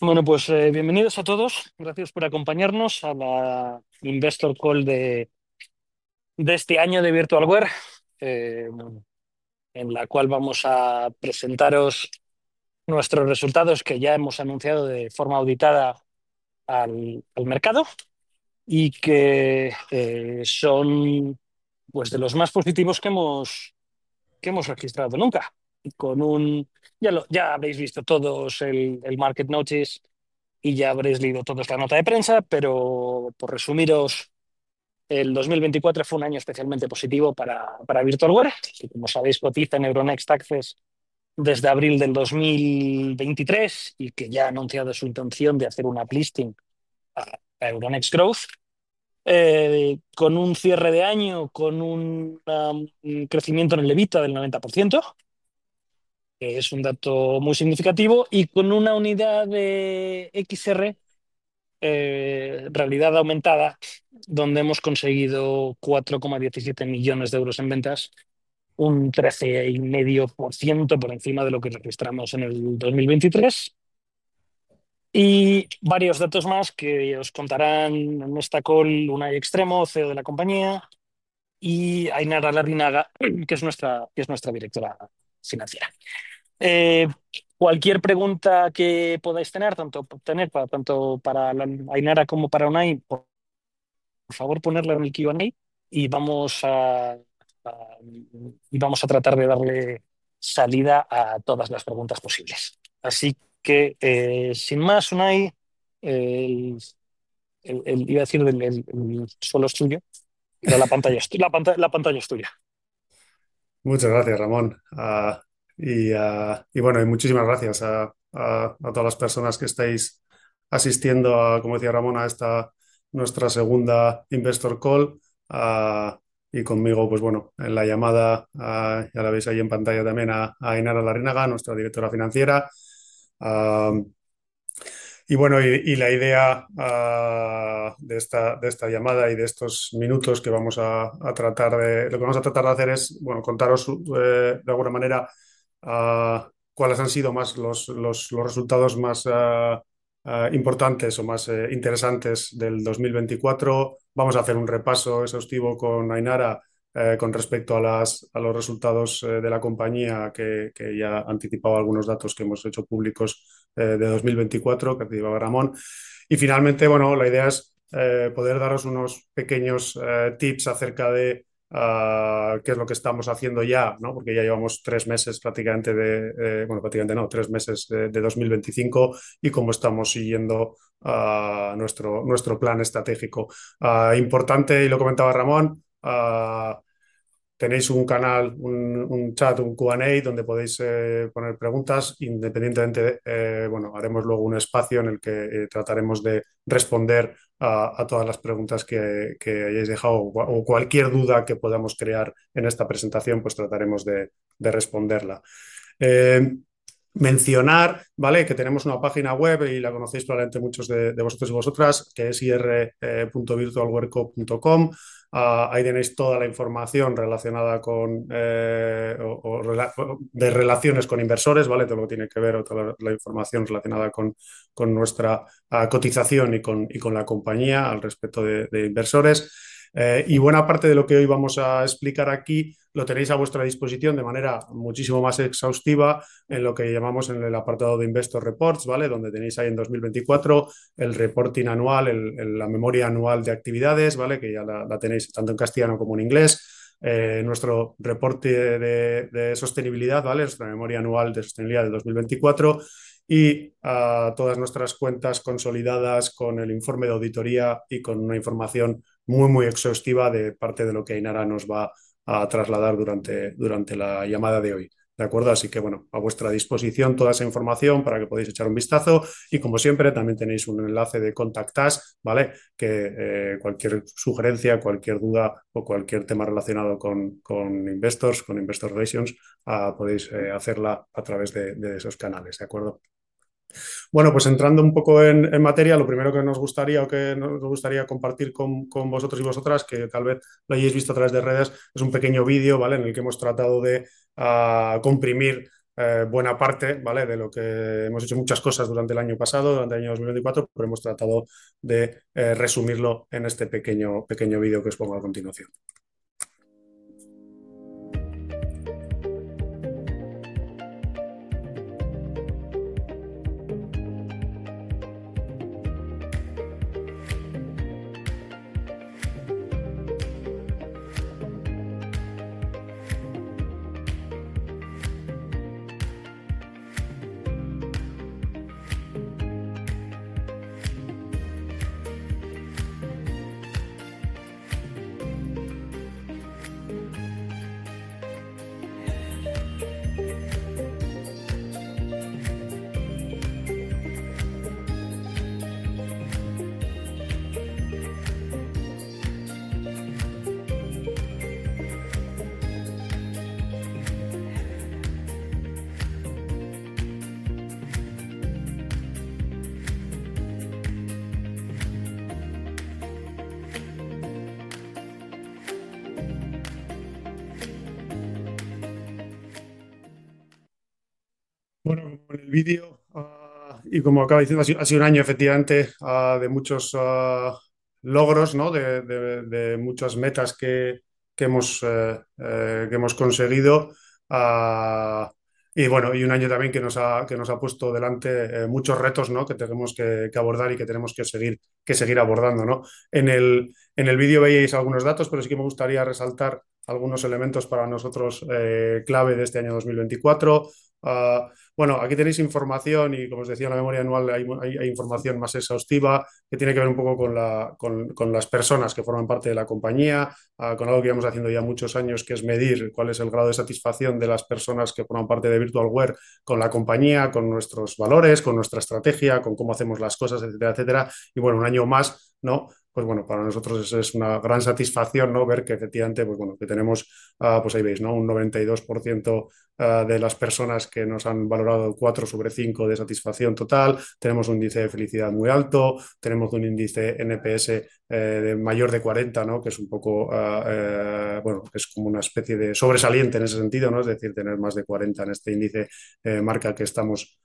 Bueno, pues bienvenidos a todos. Gracias por acompañarnos a la Investor Call de este año de Virtualware, en la cual vamos a presentaros nuestros resultados, que ya hemos anunciado de forma auditada al mercado y que son de los más positivos que hemos registrado nunca. Ya lo habéis visto todos el Market Notice y ya habréis leído todos la nota de prensa, pero por resumiros, el 2024 fue un año especialmente positivo para Virtualware, que, como sabéis, cotiza en Euronext Access desde abril del 2023 y que ya ha anunciado su intención de hacer un uplisting a Euronext Growth, con un cierre de año con un crecimiento en el EBITDA del 90%, que es un dato muy significativo, y con una unidad de XR, realidad aumentada, donde hemos conseguido €4,17 millones en ventas, un 13,5% por encima de lo que registramos en el 2023. Y varios datos más que os contarán en esta call Unai Extremo, CEO de la compañía, y Ainara Larrinaga, que es nuestra Directora Financiera. Cualquier pregunta que podáis tener, tanto para Ainara como para Unai, por favor, ponedla en el Q&A y vamos a tratar de darle salida a todas las preguntas posibles. Así que, sin más, Unai, iba a decir el suelo es tuyo, la pantalla es tuya. Muchas gracias, Ramón. Bueno, muchísimas gracias a todas las personas que estáis asistiendo, como decía Ramón, a esta nuestra segunda Investor Call. Conmigo, pues bueno, en la llamada, ya la veis ahí en pantalla también, a Ainara Larrinaga, nuestra Directora Financiera. La idea de esta llamada y de estos minutos que vamos a tratar es contaros, de alguna manera, cuáles han sido los resultados más importantes o más interesantes del 2024. Vamos a hacer un repaso exhaustivo con Ainara con respecto a los resultados de la compañía, que ella anticipaba algunos datos que hemos hecho públicos de 2024, que anticipaba Ramón. Y finalmente, bueno, la idea es poder daros unos pequeños tips acerca de qué es lo que estamos haciendo ya, porque ya llevamos tres meses prácticamente, bueno, prácticamente no, tres meses de 2025, y cómo estamos siguiendo nuestro plan estratégico. Importante, y lo comentaba Ramón, tenéis un canal, un chat, un Q&A, donde podéis poner preguntas. Independientemente, bueno, haremos luego un espacio en el que trataremos de responder a todas las preguntas que hayáis dejado, o cualquier duda que podamos crear en esta presentación, pues trataremos de responderla. Mencionar que tenemos una página web, y la conocéis probablemente muchos de vosotros y vosotras, que es ir.virtualware.com. Ahí tenéis toda la información relacionada con relaciones con inversores, todo lo que tiene que ver o toda la información relacionada con nuestra cotización y con la compañía al respecto de inversores. Y buena parte de lo que hoy vamos a explicar aquí lo tenéis a vuestra disposición de manera muchísimo más exhaustiva en lo que llamamos el apartado de Investor Reports, donde tenéis ahí en 2024 el reporting anual, la memoria anual de actividades, que ya la tenéis tanto en castellano como en inglés, nuestro reporte de sostenibilidad, nuestra memoria anual de sostenibilidad de 2024, y todas nuestras cuentas consolidadas con el informe de auditoría y con una información muy, muy exhaustiva de parte de lo que Ainara nos va a trasladar durante la llamada de hoy. Así que, bueno, a vuestra disposición toda esa información para que podáis echar un vistazo. Y como siempre, también tenéis un enlace de Contact Us, que cualquier sugerencia, cualquier duda o cualquier tema relacionado con Investors, con Investor Relations, podéis hacerla a través de esos canales. Bueno, pues entrando un poco en materia, lo primero que nos gustaría compartir con vosotros y vosotras, que tal vez lo hayáis visto a través de redes, es un pequeño vídeo en el que hemos tratado de comprimir buena parte de lo que hemos hecho. Hemos hecho muchas cosas durante el año pasado, durante el año 2024, pero hemos tratado de resumirlo en este pequeño vídeo que os pongo a continuación. Bueno, con el vídeo, y como acaba de decir, ha sido un año efectivamente de muchos logros, de muchas metas que hemos conseguido, y un año también que nos ha puesto delante muchos retos que tenemos que abordar y que tenemos que seguir abordando. En el vídeo veíais algunos datos, pero sí que me gustaría resaltar algunos elementos para nosotros clave de este año 2024. Bueno, aquí tenéis información, y como os decía, en la memoria anual hay información más exhaustiva que tiene que ver un poco con las personas que forman parte de la compañía, con algo que llevamos haciendo ya muchos años, que es medir cuál es el grado de satisfacción de las personas que forman parte de Virtualware con la compañía, con nuestros valores, con nuestra estrategia, con cómo hacemos las cosas, etcétera. Y bueno, un año más, pues bueno, para nosotros es una gran satisfacción ver que efectivamente tenemos, pues ahí veis, un 92% de las personas que nos han valorado 4 sobre 5 de satisfacción total, tenemos un índice de felicidad muy alto, tenemos un índice NPS de mayor de 40, que es un poco, bueno, es como una especie de sobresaliente en ese sentido, es decir, tener más de 40 en este índice marca que estamos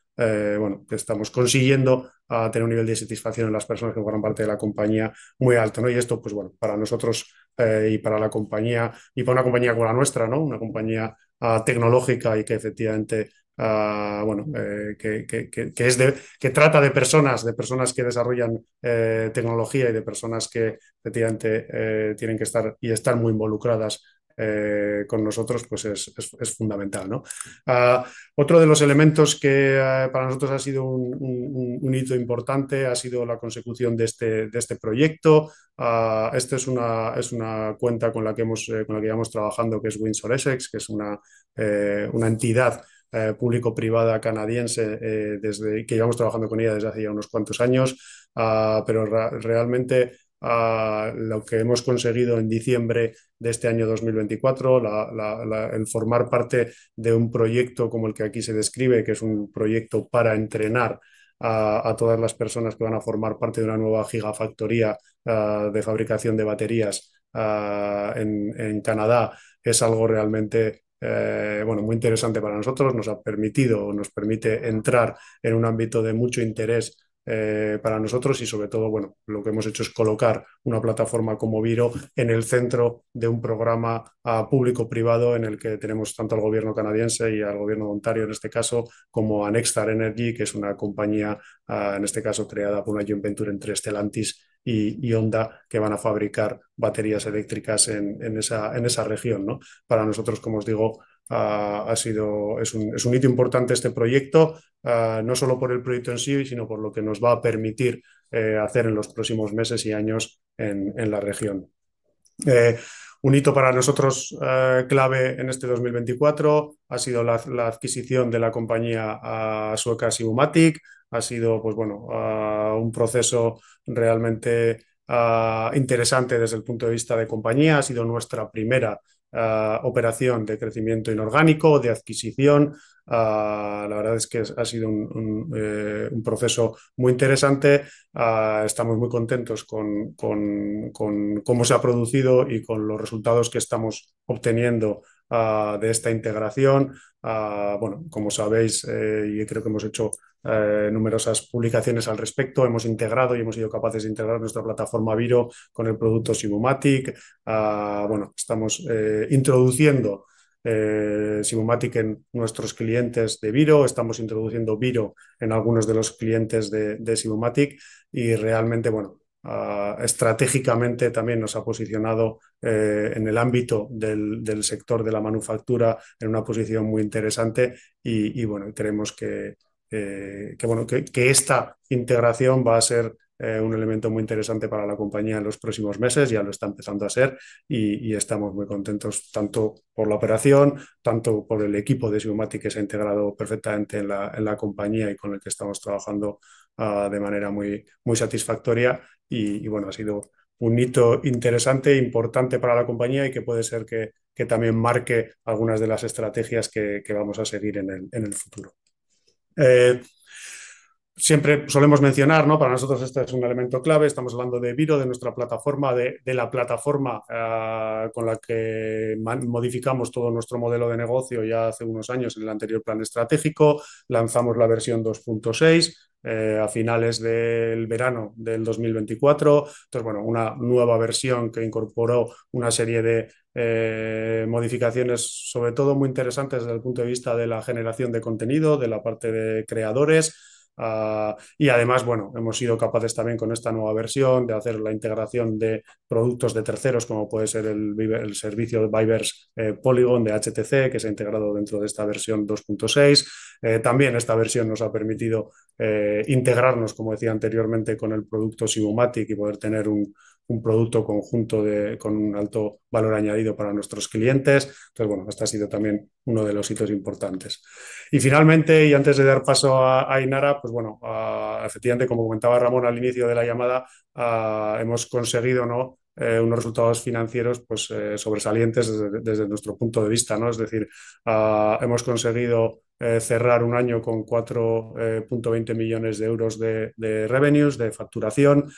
consiguiendo tener un nivel de satisfacción en las personas que forman parte de la compañía muy alto. Y esto, pues bueno, para nosotros y para la compañía, y para una compañía como la nuestra, una compañía tecnológica y que efectivamente, bueno, que trata de personas, de personas que desarrollan tecnología y de personas que efectivamente tienen que estar y están muy involucradas con nosotros, pues es fundamental. Otro de los elementos que para nosotros ha sido un hito importante ha sido la consecución de este proyecto. Esta es una cuenta con la que llevamos trabajando, que es Windsor Essex, que es una entidad público-privada canadiense que llevamos trabajando con ella desde hace ya unos cuantos años. Pero realmente lo que hemos conseguido en diciembre de este año 2024, el formar parte de un proyecto como el que aquí se describe, que es un proyecto para entrenar a todas las personas que van a formar parte de una nueva gigafactoría de fabricación de baterías en Canadá, es algo realmente muy interesante para nosotros, nos ha permitido o nos permite entrar en un ámbito de mucho interés para nosotros. Y sobre todo, bueno, lo que hemos hecho es colocar una plataforma como VIRO en el centro de un programa público-privado en el que tenemos tanto al gobierno canadiense y al gobierno de Ontario, en este caso, como a Nexstar Energy, que es una compañía, en este caso, creada por una joint venture entre Stellantis y Honda, que van a fabricar baterías eléctricas en esa región. Para nosotros, como os digo, ha sido un hito importante este proyecto, no solo por el proyecto en sí, sino por lo que nos va a permitir hacer en los próximos meses y años en la región. Un hito para nosotros clave en este 2024 ha sido la adquisición de la compañía sueca Bumatic. Ha sido un proceso realmente interesante desde el punto de vista de compañía. Ha sido nuestra primera operación de crecimiento inorgánico, de adquisición. La verdad es que ha sido un proceso muy interesante. Estamos muy contentos con cómo se ha producido y con los resultados que estamos obteniendo de esta integración. Como sabéis, y creo que hemos hecho numerosas publicaciones al respecto, hemos integrado y hemos sido capaces de integrar nuestra plataforma VIRO con el producto Sibumatic. Estamos introduciendo Sibumatic en nuestros clientes de VIRO, estamos introduciendo VIRO en algunos de los clientes de Sibumatic, y realmente, estratégicamente también nos ha posicionado en el ámbito del sector de la manufactura en una posición muy interesante. Y bueno, creemos que esta integración va a ser un elemento muy interesante para la compañía en los próximos meses, ya lo está empezando a ser, y estamos muy contentos tanto por la operación, tanto por el equipo de Sibumatic que se ha integrado perfectamente en la compañía y con el que estamos trabajando de manera muy satisfactoria. Ha sido un hito interesante, importante para la compañía y que puede ser que también marque algunas de las estrategias que vamos a seguir en el futuro. Siempre solemos mencionar, para nosotros este es un elemento clave, estamos hablando de VIRO, de nuestra plataforma, de la plataforma con la que modificamos todo nuestro modelo de negocio ya hace unos años en el anterior plan estratégico. Lanzamos la versión 2.6 a finales del verano del 2024. Una nueva versión que incorporó una serie de modificaciones, sobre todo muy interesantes desde el punto de vista de la generación de contenido, de la parte de creadores. Además, hemos sido capaces también con esta nueva versión de hacer la integración de productos de terceros, como puede ser el servicio Vipers Polygon de HTC, que se ha integrado dentro de esta versión 2.6. También esta versión nos ha permitido integrarnos, como decía anteriormente, con el producto Sibumatic y poder tener un producto conjunto con un alto valor añadido para nuestros clientes. Este ha sido también uno de los hitos importantes. Finalmente, y antes de dar paso a Ainara, efectivamente, como comentaba Ramón al inicio de la llamada, hemos conseguido unos resultados financieros sobresalientes desde nuestro punto de vista. Es decir, hemos conseguido cerrar un año con 4,20 millones de euros de ingresos, de facturación,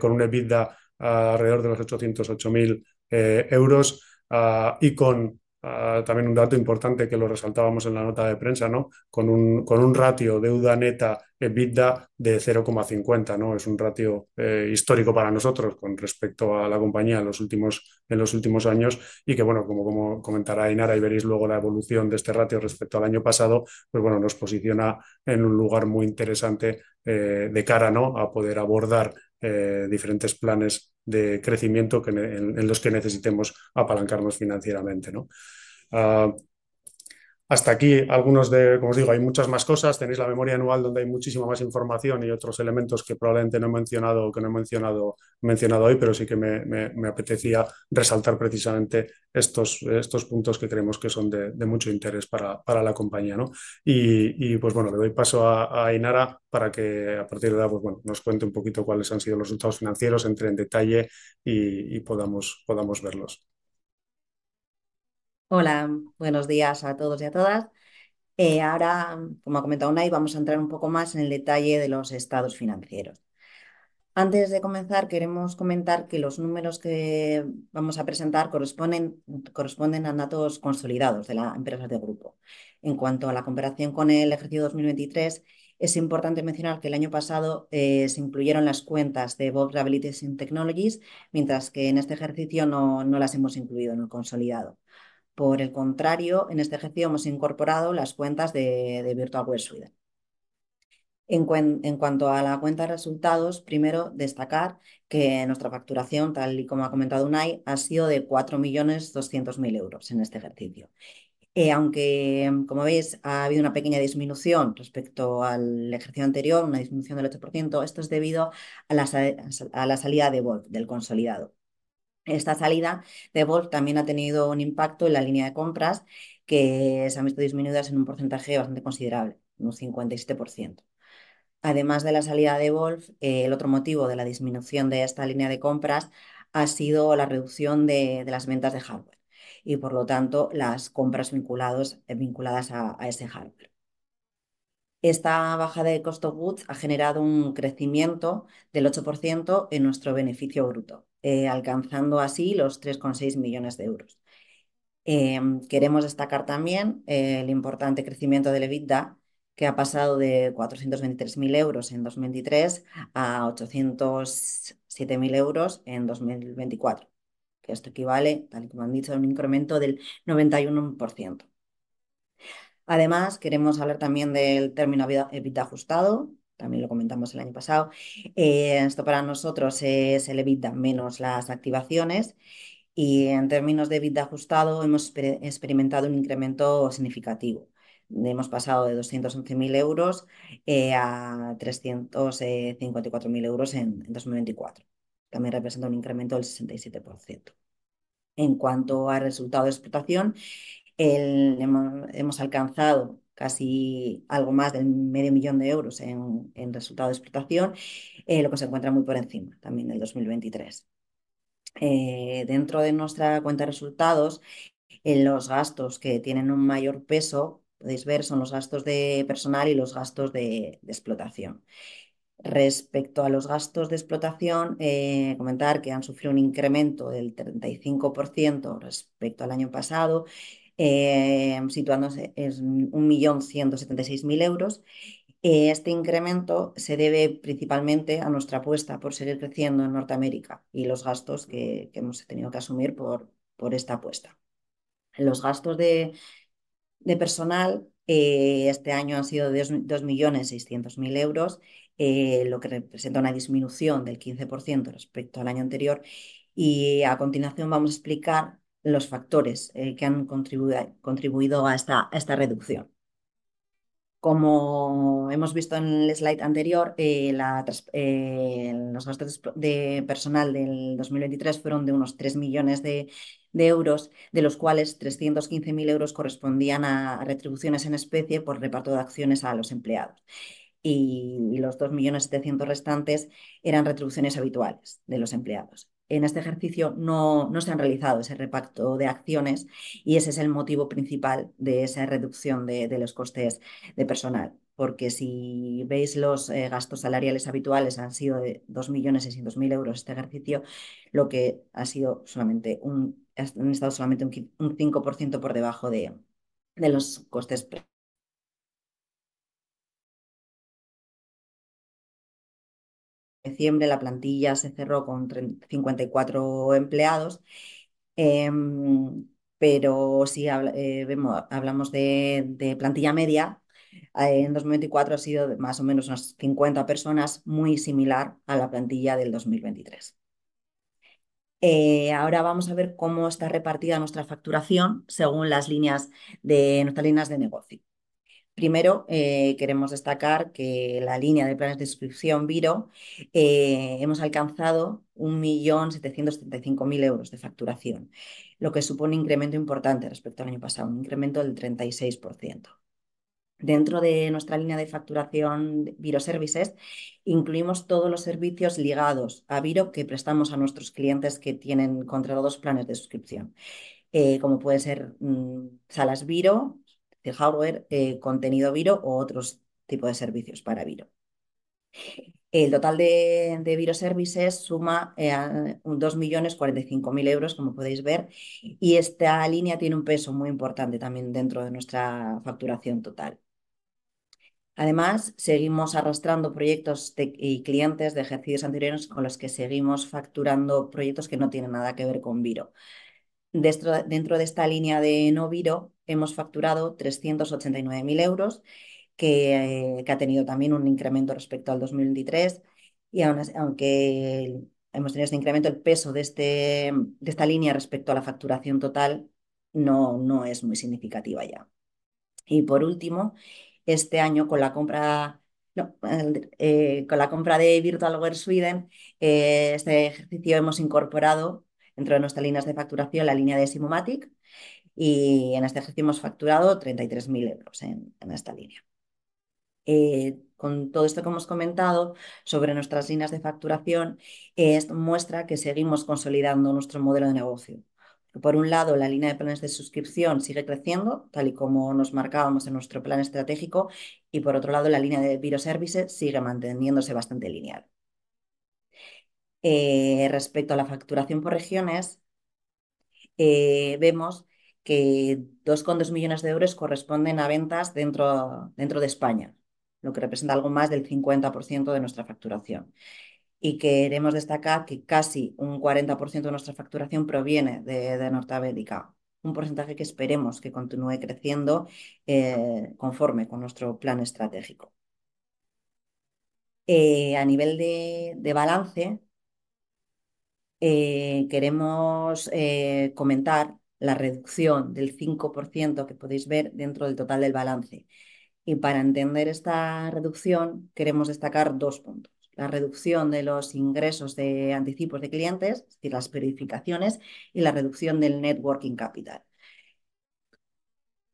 con un EBITDA alrededor de los 808.000 euros, y con también un dato importante que lo resaltábamos en la nota de prensa, con un ratio deuda neta EBITDA de 0,50. Es un ratio histórico para nosotros con respecto a la compañía en los últimos años, y que, como comentará Ainara y veréis luego la evolución de este ratio respecto al año pasado, nos posiciona en un lugar muy interesante de cara a poder abordar diferentes planes de crecimiento en los que necesitemos apalancarnos financieramente. Hasta aquí algunos de, como os digo, hay muchas más cosas. Tenéis la memoria anual donde hay muchísima más información y otros elementos que probablemente no he mencionado hoy, pero sí que me apetecía resaltar precisamente estos puntos que creemos que son de mucho interés para la compañía. Y, pues bueno, le doy paso a Ainara para que a partir de ahora nos cuente un poquito cuáles han sido los resultados financieros, entre en detalle y podamos verlos. Hola, buenos días a todos y a todas. Ahora, como ha comentado Unai, vamos a entrar un poco más en el detalle de los estados financieros. Antes de comenzar, queremos comentar que los números que vamos a presentar corresponden a datos consolidados de las empresas del grupo. En cuanto a la comparación con el ejercicio 2023, es importante mencionar que el año pasado se incluyeron las cuentas de Volkswagen Business and Technologies, mientras que en este ejercicio no las hemos incluido en el consolidado. Por el contrario, en este ejercicio hemos incorporado las cuentas de Virtualware Sweden. En cuanto a la cuenta de resultados, primero destacar que nuestra facturación, tal y como ha comentado Unai, ha sido de €4.200.000 en este ejercicio. Aunque, como veis, ha habido una pequeña disminución respecto al ejercicio anterior, una disminución del 8%, esto es debido a la salida de Wolf del consolidado. Esta salida de Wolf también ha tenido un impacto en la línea de compras, que se han visto disminuidas en un porcentaje bastante considerable, un 57%. Además de la salida de Wolf, el otro motivo de la disminución de esta línea de compras ha sido la reducción de las ventas de hardware y, por lo tanto, las compras vinculadas a ese hardware. Esta baja de costos ha generado un crecimiento del 8% en nuestro beneficio bruto, alcanzando así los €3.6 millones. Queremos destacar también el importante crecimiento del EBITDA, que ha pasado de €423,000 en 2023 a €807,000 en 2024, que esto equivale, tal y como han dicho, a un incremento del 91%. Además, queremos hablar también del término EBITDA ajustado, también lo comentamos el año pasado. Esto para nosotros es el EBITDA menos las activaciones, y en términos de EBITDA ajustado hemos experimentado un incremento significativo. Hemos pasado de €211,000 a €354,000 en 2024, también representando un incremento del 67%. En cuanto a resultado de explotación, hemos alcanzado casi algo más de medio millón de euros en resultado de explotación, lo que se encuentra muy por encima también del 2023. Dentro de nuestra cuenta de resultados, los gastos que tienen un mayor peso, podéis ver, son los gastos de personal y los gastos de explotación. Respecto a los gastos de explotación, comentar que han sufrido un incremento del 35% respecto al año pasado, situándose en €1.176.000. Este incremento se debe principalmente a nuestra apuesta por seguir creciendo en Norteamérica y los gastos que hemos tenido que asumir por esta apuesta. Los gastos de personal este año han sido de €2.600.000, lo que representa una disminución del 15% respecto al año anterior. A continuación vamos a explicar los factores que han contribuido a esta reducción. Como hemos visto en el slide anterior, los gastos de personal del 2023 fueron de unos €3 millones, de los cuales €315.000 correspondían a retribuciones en especie por reparto de acciones a los empleados, y los €2.700.000 restantes eran retribuciones habituales de los empleados. En este ejercicio no se han realizado ese reparto de acciones, y ese es el motivo principal de esa reducción de los costes de personal, porque si veis los gastos salariales habituales, han sido de €2.600.000 este ejercicio, lo que ha sido solamente un 5% por debajo de los costes. En diciembre, la plantilla se cerró con 54 empleados, pero si hablamos de plantilla media, en 2024 ha sido más o menos unas 50 personas, muy similar a la plantilla del 2023. Ahora vamos a ver cómo está repartida nuestra facturación según las líneas de nuestras líneas de negocio. Primero, queremos destacar que la línea de planes de inscripción VIRO hemos alcanzado €1.775.000 de facturación, lo que supone un incremento importante respecto al año pasado, un incremento del 36%. Dentro de nuestra línea de facturación VIRO Services, incluimos todos los servicios ligados a VIRO que prestamos a nuestros clientes que tienen contratados planes de suscripción, como puede ser salas VIRO, hardware, contenido VIRO u otros tipos de servicios para VIRO. El total de VIRO Services suma €2.045.000, como podéis ver, y esta línea tiene un peso muy importante también dentro de nuestra facturación total. Además, seguimos arrastrando proyectos y clientes de ejercicios anteriores con los que seguimos facturando proyectos que no tienen nada que ver con VIRO. Dentro de esta línea de no VIRO, hemos facturado €389.000, que ha tenido también un incremento respecto al 2023, y aunque hemos tenido este incremento, el peso de esta línea respecto a la facturación total no es muy significativo ya. Por último, este año, con la compra de Virtualware Sweden, este ejercicio hemos incorporado dentro de nuestras líneas de facturación la línea de Sibumatic, y en este ejercicio hemos facturado €33.000 en esta línea. Con todo esto que hemos comentado sobre nuestras líneas de facturación, esto muestra que seguimos consolidando nuestro modelo de negocio. Por un lado, la línea de planes de suscripción sigue creciendo, tal y como nos marcábamos en nuestro plan estratégico, y por otro lado, la línea de VIRO Services sigue manteniéndose bastante lineal. Respecto a la facturación por regiones, vemos que 2,2 millones de euros corresponden a ventas dentro de España, lo que representa algo más del 50% de nuestra facturación. Queremos destacar que casi un 40% de nuestra facturación proviene de Norteamérica, un porcentaje que esperamos que continúe creciendo conforme con nuestro plan estratégico. A nivel de balance, queremos comentar la reducción del 5% que podéis ver dentro del total del balance. Para entender esta reducción, queremos destacar dos puntos: la reducción de los ingresos de anticipos de clientes, es decir, las verificaciones, y la reducción del capital de trabajo.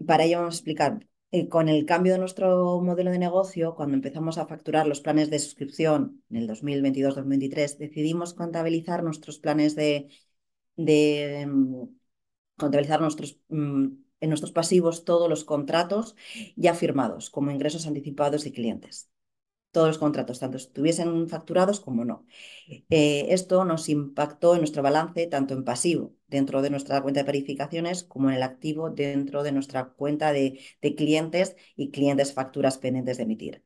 Para ello, vamos a explicar que con el cambio de nuestro modelo de negocio, cuando empezamos a facturar los planes de suscripción en el 2022-2023, decidimos contabilizar en nuestros pasivos todos los contratos ya firmados como ingresos anticipados de clientes. Todos los contratos, tanto si estuviesen facturados como no. Esto nos impactó en nuestro balance, tanto en pasivo dentro de nuestra cuenta de verificaciones como en el activo dentro de nuestra cuenta de clientes y clientes facturas pendientes de emitir.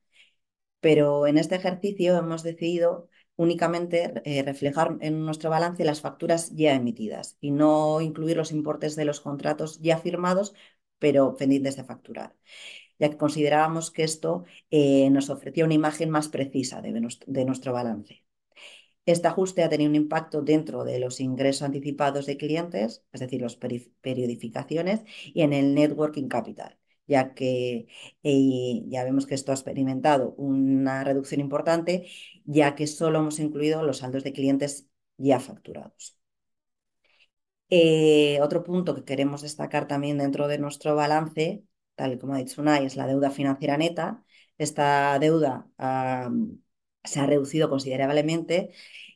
Pero en este ejercicio hemos decidido únicamente reflejar en nuestro balance las facturas ya emitidas y no incluir los importes de los contratos ya firmados, pero pendientes de facturar, ya que considerábamos que esto nos ofrecía una imagen más precisa de nuestro balance. Este ajuste ha tenido un impacto dentro de los ingresos anticipados de clientes, es decir, las periodificaciones, y en el capital de trabajo, ya que vemos que esto ha experimentado una reducción importante, ya que solo hemos incluido los saldos de clientes ya facturados. Otro punto que queremos destacar también dentro de nuestro balance, tal y como ha dicho Unai, es la deuda financiera neta. Esta deuda se ha reducido considerablemente,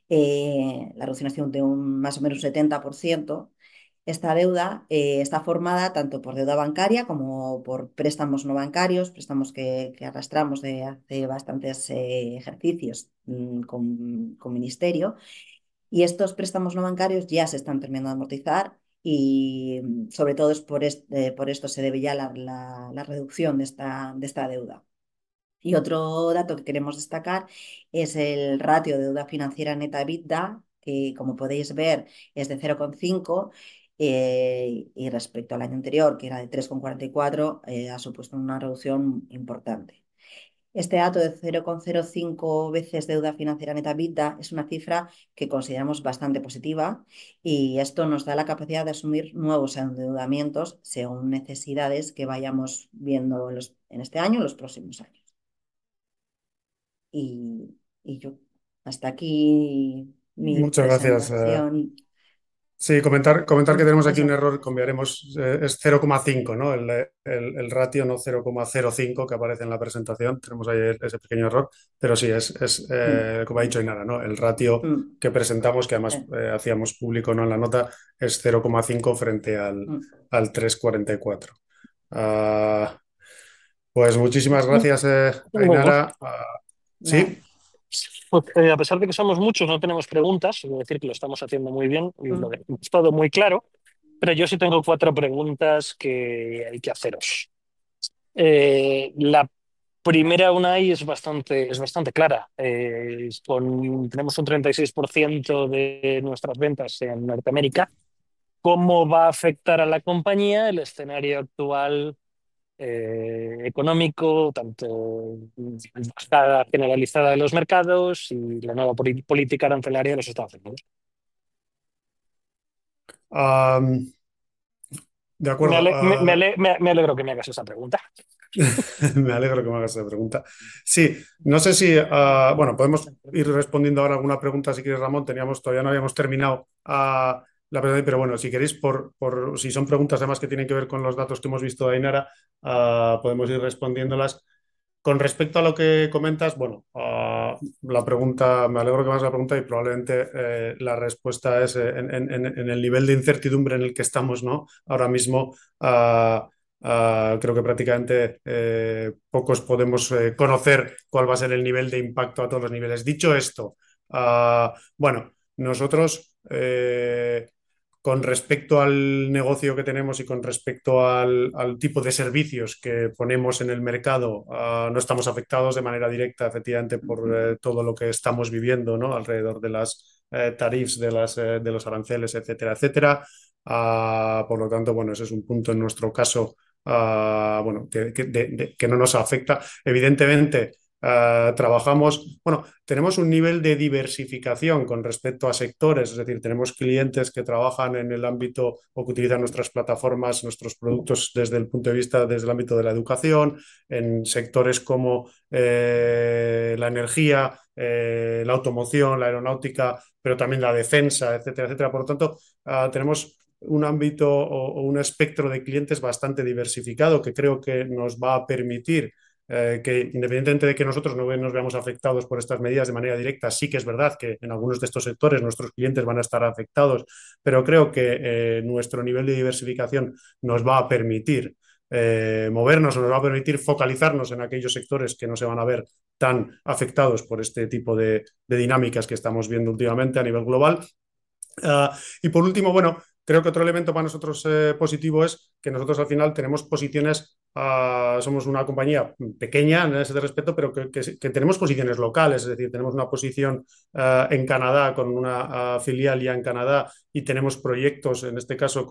la reducción ha sido de más o menos un 70%. Esta deuda está formada tanto por deuda bancaria como por préstamos no bancarios, préstamos que arrastramos de hace bastantes ejercicios con ministerio, y estos préstamos no bancarios ya se están terminando de amortizar, y sobre todo por esto se debe ya la reducción de esta deuda. Y otro dato que queremos destacar es el ratio de deuda financiera neta EBITDA, que como podéis ver es de 0.5, y respecto al año anterior, que era de 3.44, ha supuesto una reducción importante. Este dato de 0.5 veces deuda financiera neta EBITDA es una cifra que consideramos bastante positiva, y esto nos da la capacidad de asumir nuevos endeudamientos según necesidades que vayamos viendo en este año o en los próximos años. Hasta aquí mi reflexión. Muchas gracias. Sí, comentar que tenemos aquí un error, cambiaremos, es 0.5, el ratio no 0.05 que aparece en la presentación, tenemos ahí ese pequeño error, pero sí, es como ha dicho Ainara, el ratio que presentamos, que además hacíamos público en la nota, es 0.5 frente al 3.44. Pues muchísimas gracias, Ainara. Sí. A pesar de que somos muchos, no tenemos preguntas, quiero decir que lo estamos haciendo muy bien y lo de todo muy claro, pero yo sí tengo cuatro preguntas que hay que haceros. La primera, Unai, es bastante clara. Tenemos un 36% de nuestras ventas en Norteamérica. ¿Cómo va a afectar a la compañía el escenario actual económico, tanto la escala generalizada de los mercados y la nueva política arancelaria de los Estados Unidos? De acuerdo. Me alegro que me hagas esa pregunta. Sí, no sé si, bueno, podemos ir respondiendo ahora alguna pregunta, si quieres, Ramón. Todavía no habíamos terminado la pregunta, pero bueno, si queréis, por si son preguntas además que tienen que ver con los datos que hemos visto de Ainara, podemos ir respondiéndolas. Con respecto a lo que comentas, bueno, la pregunta, me alegro que me hagas la pregunta y probablemente la respuesta es en el nivel de incertidumbre en el que estamos ahora mismo, creo que prácticamente pocos podemos conocer cuál va a ser el nivel de impacto a todos los niveles. Dicho esto, bueno, nosotros con respecto al negocio que tenemos y con respecto al tipo de servicios que ponemos en el mercado, no estamos afectados de manera directa, efectivamente, por todo lo que estamos viviendo alrededor de las tarifas, de los aranceles, etcétera. Por lo tanto, ese es un punto en nuestro caso que no nos afecta. Evidentemente, trabajamos, tenemos un nivel de diversificación con respecto a sectores, es decir, tenemos clientes que trabajan en el ámbito o que utilizan nuestras plataformas, nuestros productos desde el punto de vista, desde el ámbito de la educación, en sectores como la energía, la automoción, la aeronáutica, pero también la defensa, etcétera. Por lo tanto, tenemos un ámbito o un espectro de clientes bastante diversificado, que creo que nos va a permitir que, independientemente de que nosotros no nos veamos afectados por estas medidas de manera directa, sí que es verdad que en algunos de estos sectores nuestros clientes van a estar afectados, pero creo que nuestro nivel de diversificación nos va a permitir movernos, nos va a permitir focalizarnos en aquellos sectores que no se van a ver tan afectados por este tipo de dinámicas que estamos viendo últimamente a nivel global. Y por último, bueno, creo que otro elemento para nosotros positivo es que nosotros al final tenemos posiciones, somos una compañía pequeña en ese respecto, pero que tenemos posiciones locales, es decir, tenemos una posición en Canadá con una filial ya en Canadá y tenemos proyectos, en este caso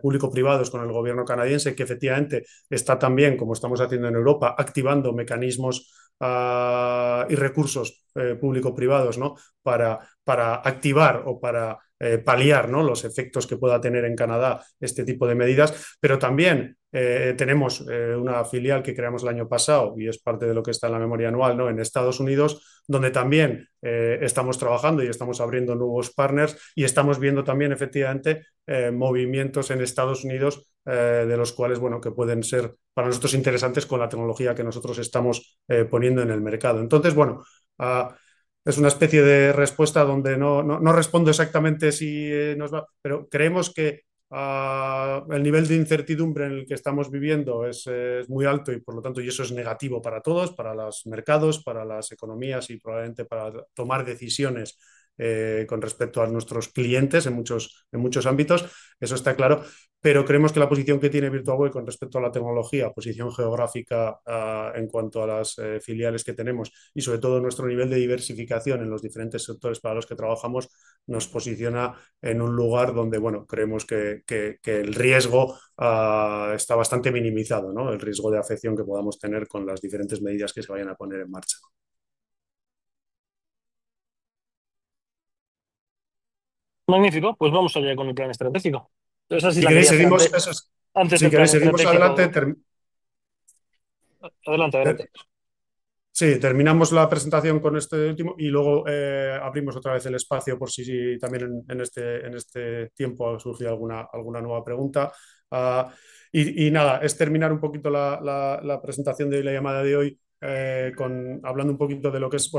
público-privados, con el gobierno canadiense, que efectivamente está también, como estamos haciendo en Europa, activando mecanismos y recursos público-privados para activar o para paliar los efectos que pueda tener en Canadá este tipo de medidas. Pero también tenemos una filial que creamos el año pasado y es parte de lo que está en la memoria anual, en Estados Unidos, donde también estamos trabajando y estamos abriendo nuevos partners y estamos viendo también, efectivamente, movimientos en Estados Unidos de los cuales que pueden ser para nosotros interesantes con la tecnología que nosotros estamos poniendo en el mercado. Entonces, bueno, es una especie de respuesta donde no respondo exactamente si nos va, pero creemos que el nivel de incertidumbre en el que estamos viviendo es muy alto y por lo tanto, eso es negativo para todos, para los mercados, para las economías y probablemente para tomar decisiones con respecto a nuestros clientes en muchos ámbitos, eso está claro. Pero creemos que la posición que tiene Virtualware con respecto a la tecnología, posición geográfica en cuanto a las filiales que tenemos y sobre todo nuestro nivel de diversificación en los diferentes sectores para los que trabajamos, nos posiciona en un lugar donde creemos que el riesgo está bastante minimizado, el riesgo de afección que podamos tener con las diferentes medidas que se vayan a poner en marcha. Magnífico, pues vamos allá con el plan estratégico. Si queréis, seguimos antes de que avancemos. Adelante, adelante. Sí, terminamos la presentación con este último y luego abrimos otra vez el espacio por si también en este tiempo ha surgido alguna nueva pregunta. Y nada, es terminar un poquito la presentación de la llamada de hoy hablando un poquito de lo que es,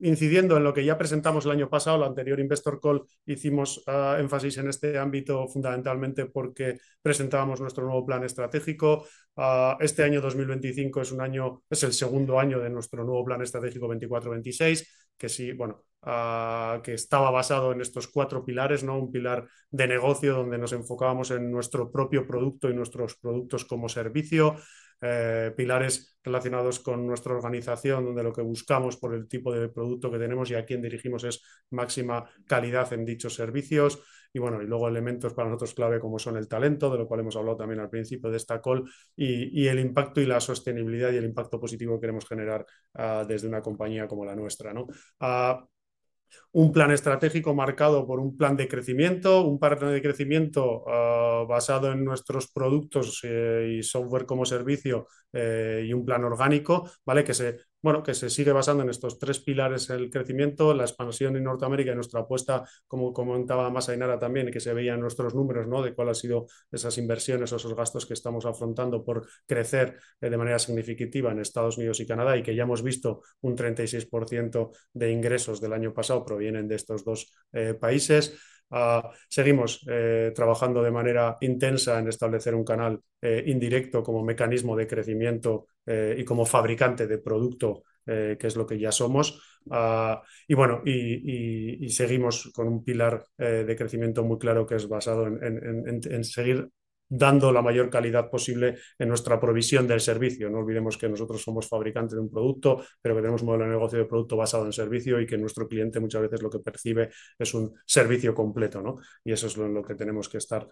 bueno, incidiendo en lo que ya presentamos el año pasado, la anterior Investor Call, hicimos énfasis en este ámbito fundamentalmente porque presentábamos nuestro nuevo plan estratégico. Este año 2025 es el segundo año de nuestro nuevo plan estratégico 2024-2026, que estaba basado en estos cuatro pilares: un pilar de negocio donde nos enfocábamos en nuestro propio producto y nuestros productos como servicio, pilares relacionados con nuestra organización, donde lo que buscamos por el tipo de producto que tenemos y a quién dirigimos es máxima calidad en dichos servicios. Y bueno, y luego elementos para nosotros clave como son el talento, de lo cual hemos hablado también al principio de esta call, y el impacto y la sostenibilidad y el impacto positivo que queremos generar desde una compañía como la nuestra. Un plan estratégico marcado por un plan de crecimiento, un plan de crecimiento basado en nuestros productos y software como servicio, y un plan orgánico, que se sigue basando en estos tres pilares: el crecimiento, la expansión en Norteamérica y nuestra apuesta, como comentaba más Ainara también, que se veía en nuestros números, de cuál ha sido esas inversiones o esos gastos que estamos afrontando por crecer de manera significativa en Estados Unidos y Canadá, y que ya hemos visto un 36% de ingresos del año pasado provienen de estos dos países. Seguimos trabajando de manera intensa en establecer un canal indirecto como mecanismo de crecimiento y como fabricante de producto, que es lo que ya somos. Y bueno, y seguimos con un pilar de crecimiento muy claro que es basado en seguir dando la mayor calidad posible en nuestra provisión del servicio. No olvidemos que nosotros somos fabricantes de un producto, pero que tenemos un modelo de negocio de producto basado en servicio y que nuestro cliente muchas veces lo que percibe es un servicio completo, y eso es en lo que tenemos que estar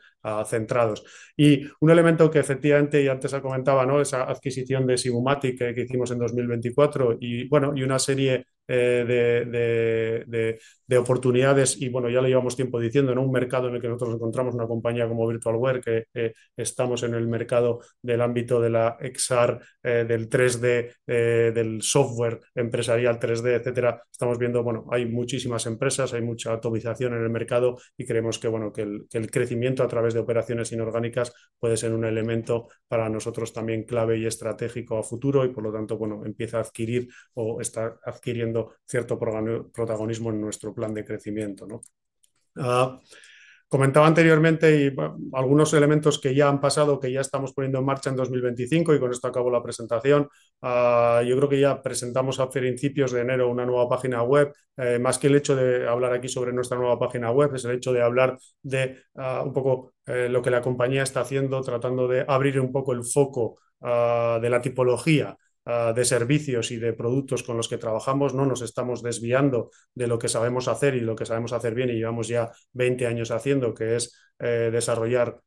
centrados. Y un elemento que efectivamente, y antes comentaba, esa adquisición de Simumatic que hicimos en 2024, y bueno, y una serie de oportunidades, y bueno, ya lo llevamos tiempo diciendo, en un mercado en el que nosotros encontramos una compañía como Virtualware, que estamos en el mercado del ámbito de la XR, del 3D, del software empresarial 3D, etcétera. Estamos viendo, bueno, hay muchísimas empresas, hay mucha atomización en el mercado, y creemos que el crecimiento a través de operaciones inorgánicas puede ser un elemento para nosotros también clave y estratégico a futuro, y por lo tanto, bueno, empieza a adquirir o está adquiriendo cierto protagonismo en nuestro plan de crecimiento. Comentaba anteriormente algunos elementos que ya han pasado, que ya estamos poniendo en marcha en 2025, y con esto acabo la presentación. Yo creo que ya presentamos a principios de enero una nueva página web. Más que el hecho de hablar aquí sobre nuestra nueva página web, es el hecho de hablar de un poco lo que la compañía está haciendo, tratando de abrir un poco el foco de la tipología de servicios y de productos con los que trabajamos. Nos estamos desviando de lo que sabemos hacer y lo que sabemos hacer bien y llevamos ya 20 años haciendo, que es desarrollar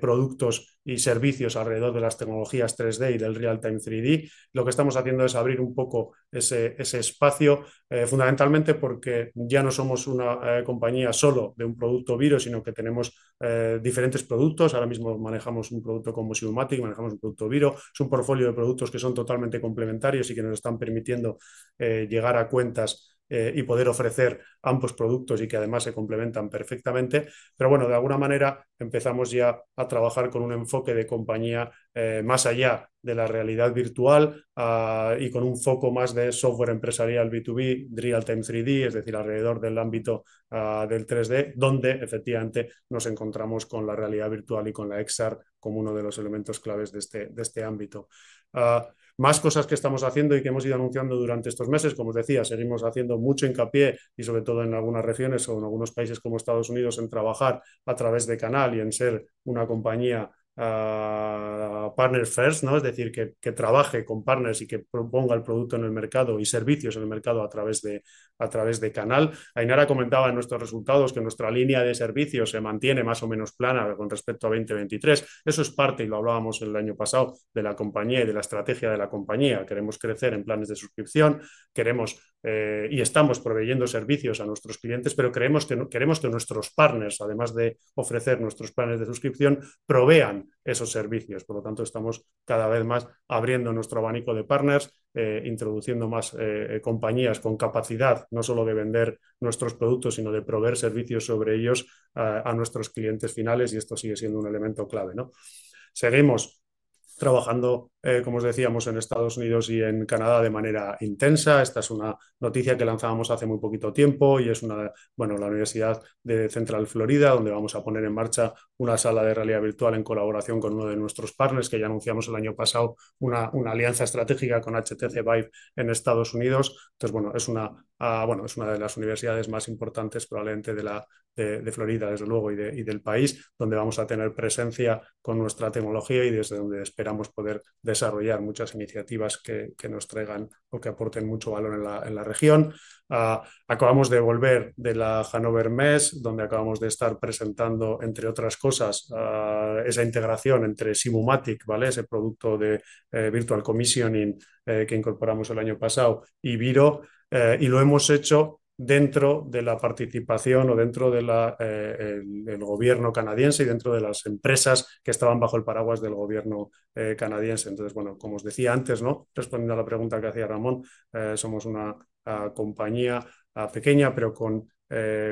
productos y servicios alrededor de las tecnologías 3D y del real-time 3D. Lo que estamos haciendo es abrir un poco ese espacio, fundamentalmente porque ya no somos una compañía solo de un producto Viro, sino que tenemos diferentes productos. Ahora mismo manejamos un producto como Simumatic, manejamos un producto Viro, es un portfolio de productos que son totalmente complementarios y que nos están permitiendo llegar a cuentas y poder ofrecer ambos productos y que además se complementan perfectamente. Pero bueno, de alguna manera empezamos ya a trabajar con un enfoque de compañía más allá de la realidad virtual y con un foco más de software empresarial B2B, real-time 3D, es decir, alrededor del ámbito del 3D, donde efectivamente nos encontramos con la realidad virtual y con la XR como uno de los elementos claves de este ámbito. Más cosas que estamos haciendo y que hemos ido anunciando durante estos meses, como os decía, seguimos haciendo mucho hincapié y sobre todo en algunas regiones o en algunos países como Estados Unidos en trabajar a través de canal y en ser una compañía partners first, es decir, que trabaje con partners y que proponga el producto en el mercado y servicios en el mercado a través de canal. Ainara comentaba en nuestros resultados que nuestra línea de servicios se mantiene más o menos plana con respecto a 2023. Eso es parte, y lo hablábamos el año pasado, de la compañía y de la estrategia de la compañía. Queremos crecer en planes de suscripción, y estamos proveyendo servicios a nuestros clientes, pero queremos que nuestros partners, además de ofrecer nuestros planes de suscripción, provean esos servicios. Por lo tanto, estamos cada vez más abriendo nuestro abanico de partners, introduciendo más compañías con capacidad, no solo de vender nuestros productos, sino de proveer servicios sobre ellos a nuestros clientes finales, y esto sigue siendo un elemento clave. Seguimos trabajando, como os decíamos, en Estados Unidos y en Canadá de manera intensa. Esta es una noticia que lanzábamos hace muy poquito tiempo y es la Universidad de Central Florida, donde vamos a poner en marcha una sala de realidad virtual en colaboración con uno de nuestros partners, que ya anunciamos el año pasado, una alianza estratégica con HTC Vive en Estados Unidos. Entonces, es una de las universidades más importantes, probablemente de Florida, desde luego, y del país, donde vamos a tener presencia con nuestra tecnología y desde donde esperamos poder desarrollar muchas iniciativas que nos traigan o que aporten mucho valor en la región. Acabamos de volver de la Hannover Messe, donde acabamos de estar presentando, entre otras cosas, esa integración entre Simumatic, ese producto de Virtual Commissioning que incorporamos el año pasado, y Viro, y lo hemos hecho dentro de la participación o dentro del gobierno canadiense y dentro de las empresas que estaban bajo el paraguas del gobierno canadiense. Entonces, bueno, como os decía antes, respondiendo a la pregunta que hacía Ramón, somos una compañía pequeña, pero con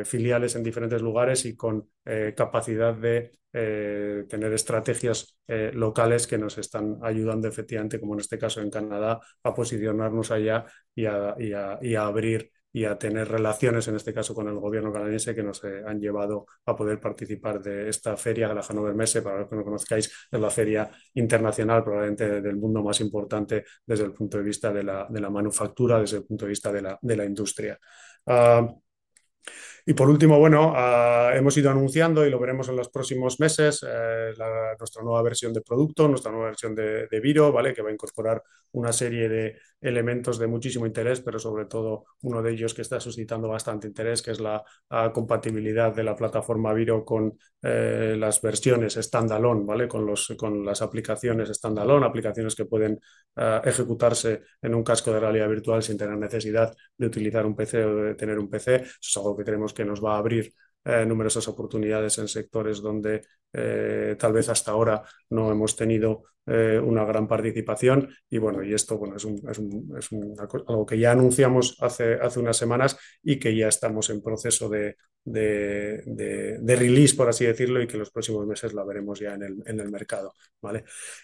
filiales en diferentes lugares y con capacidad de tener estrategias locales que nos están ayudando, efectivamente, como en este caso en Canadá, a posicionarnos allá y a abrir y a tener relaciones, en este caso con el gobierno canadiense, que nos han llevado a poder participar de esta feria, la Hannover Messe. Para los que no conozcáis, es la feria internacional, probablemente del mundo más importante desde el punto de vista de la manufactura, desde el punto de vista de la industria. Y por último, bueno, hemos ido anunciando y lo veremos en los próximos meses, nuestra nueva versión de producto, nuestra nueva versión de Viro, que va a incorporar una serie de elementos de muchísimo interés, pero sobre todo uno de ellos que está suscitando bastante interés, que es la compatibilidad de la plataforma Viro con las versiones standalone, con las aplicaciones standalone, aplicaciones que pueden ejecutarse en un casco de realidad virtual sin tener necesidad de utilizar un PC o de tener un PC. Eso es algo que creemos que nos va a abrir numerosas oportunidades en sectores donde tal vez hasta ahora no hemos tenido una gran participación. Y esto es algo que ya anunciamos hace unas semanas y que ya estamos en proceso de release, por así decirlo, y que en los próximos meses la veremos ya en el mercado.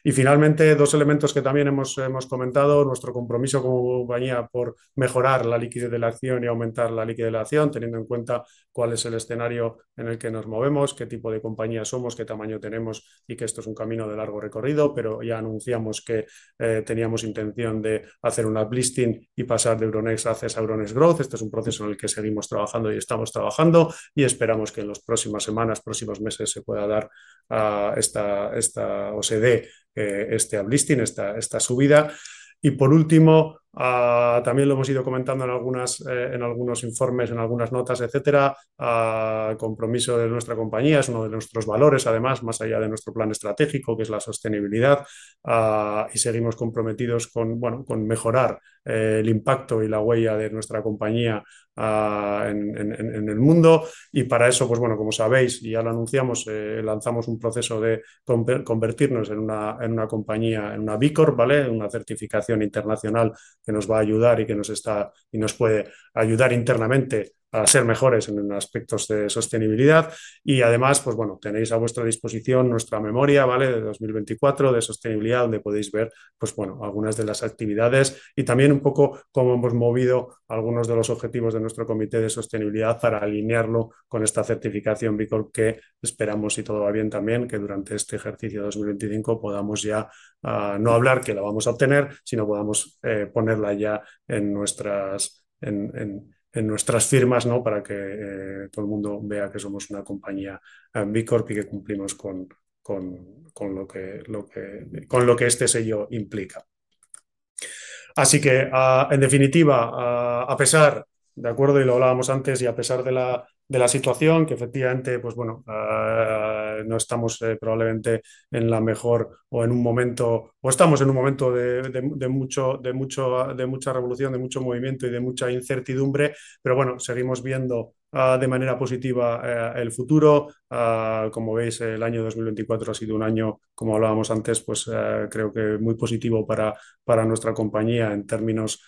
Y finalmente, dos elementos que también hemos comentado: nuestro compromiso como compañía por mejorar la liquidez de la acción y aumentar la liquidez de la acción, teniendo en cuenta cuál es el escenario en el que nos movemos, qué tipo de compañía somos, qué tamaño tenemos y que esto es un camino de largo recorrido, pero ya anunciamos que teníamos intención de hacer un uplifting y pasar de Euronext Access a Euronext Growth. Este es un proceso en el que seguimos trabajando y estamos trabajando, y esperamos que en las próximas semanas, próximos meses, se pueda dar o se dé este uplifting, esta subida. Y por último, también lo hemos ido comentando en algunos informes, en algunas notas, etcétera, el compromiso de nuestra compañía es uno de nuestros valores, además, más allá de nuestro plan estratégico, que es la sostenibilidad, y seguimos comprometidos con mejorar el impacto y la huella de nuestra compañía en el mundo. Y para eso, como sabéis, ya lo anunciamos, lanzamos un proceso de convertirnos en una compañía, en una B Corp, una certificación internacional que nos va a ayudar y que nos puede ayudar internamente a ser mejores en aspectos de sostenibilidad. Y además, tenéis a vuestra disposición nuestra memoria de 2024 de sostenibilidad, donde podéis ver algunas de las actividades y también un poco cómo hemos movido algunos de los objetivos de nuestro comité de sostenibilidad para alinearlo con esta certificación B Corp, que esperamos, si todo va bien también, que durante este ejercicio 2025 podamos ya no hablar que la vamos a obtener, sino podamos ponerla ya en nuestras firmas para que todo el mundo vea que somos una compañía B Corp y que cumplimos con lo que este sello implica. Así que, en definitiva, a pesar de acuerdo, y lo hablábamos antes, y a pesar de la situación, que efectivamente no estamos probablemente en la mejor o en un momento, o estamos en un momento de mucha revolución, de mucho movimiento y de mucha incertidumbre, pero bueno, seguimos viendo de manera positiva el futuro. Como veis, el año 2024 ha sido un año, como hablábamos antes, creo que muy positivo para nuestra compañía en términos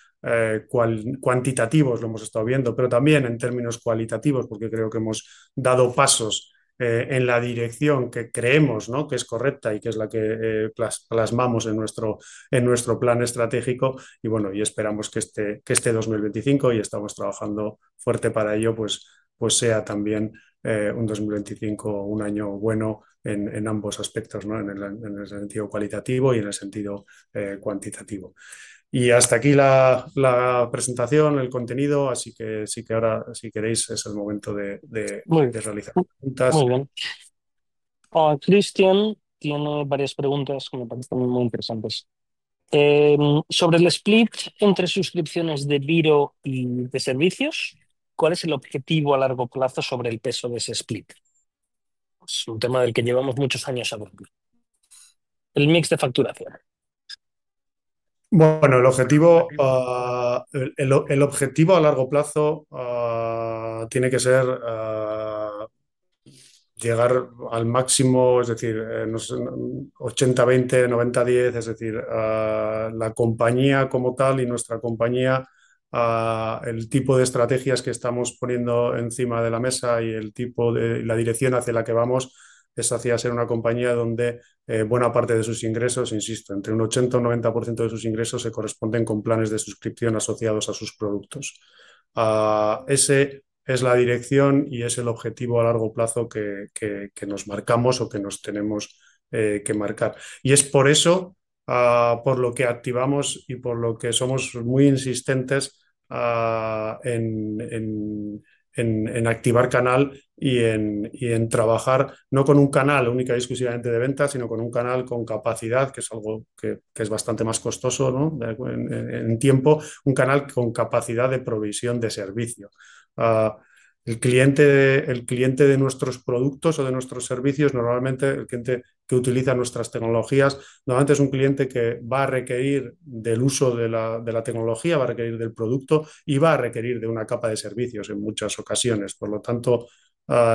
cuantitativos, lo hemos estado viendo, pero también en términos cualitativos, porque creo que hemos dado pasos en la dirección que creemos que es correcta y que es la que plasmamos en nuestro plan estratégico. Y bueno, esperamos que este 2025, y estamos trabajando fuerte para ello, sea también un 2025, un año bueno en ambos aspectos, en el sentido cualitativo y en el sentido cuantitativo. Y hasta aquí la presentación, el contenido, así que si queréis, es el momento de realizar preguntas. Muy bien. Cristian tiene varias preguntas que me parecen muy interesantes. Sobre el split entre suscripciones de Viro y de servicios, ¿cuál es el objetivo a largo plazo sobre el peso de ese split? Es un tema del que llevamos muchos años hablando. El mix de facturación. Bueno, el objetivo a largo plazo tiene que ser llegar al máximo, es decir, 80-20%, 90-10%, es decir, la compañía como tal y nuestra compañía, el tipo de estrategias que estamos poniendo encima de la mesa y la dirección hacia la que vamos, es hacia ser una compañía donde buena parte de sus ingresos, insisto, entre un 80% o 90% de sus ingresos se corresponden con planes de suscripción asociados a sus productos. Esa es la dirección y es el objetivo a largo plazo que nos marcamos o que nos tenemos que marcar. Y es por eso por lo que activamos y por lo que somos muy insistentes en activar canal y en trabajar, no con un canal única y exclusivamente de ventas, sino con un canal con capacidad, que es algo que es bastante más costoso en tiempo, un canal con capacidad de provisión de servicio. El cliente de nuestros productos o de nuestros servicios, normalmente el cliente que utiliza nuestras tecnologías, normalmente es un cliente que va a requerir del uso de la tecnología, va a requerir del producto y va a requerir de una capa de servicios en muchas ocasiones. Por lo tanto,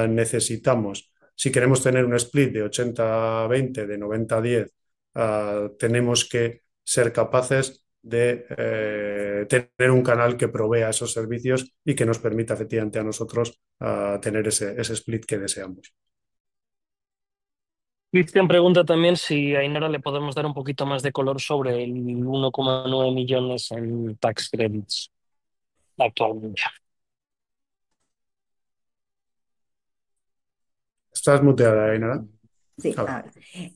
necesitamos, si queremos tener un split de 80-20, de 90-10, tenemos que ser capaces de tener un canal que provea esos servicios y que nos permita efectivamente a nosotros tener ese split que deseamos. Cristian pregunta también si a Ainara le podemos dar un poquito más de color sobre los €1,9 millones en créditos fiscales actualmente. Estás silenciada, Ainara. Sí, claro.